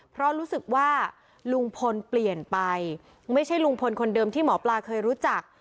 เพราะรู้สึกว่าลุงพลเปลี่ยนไปไม่ใช่ลุงพลคนเดิมที่หมอปลาเคยรู้จัก